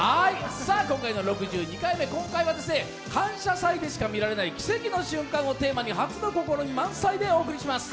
今回は「感謝祭」でしか見られない奇跡の瞬間をテーマに初の試み満載でお送りします。